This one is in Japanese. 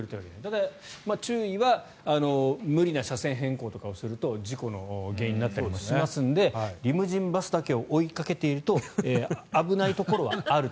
ただ、注意は無理な車線変更をしたりすると事故の原因になったりもしますのでリムジンバスだけを追いかけていると危ないところはあると。